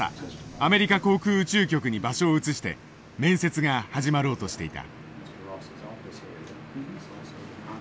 アメリカ航空宇宙局に場所を移して面接が始まろうとしていた。